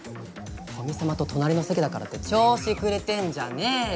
古見様と隣の席だからって調子くれてんじゃねーよ。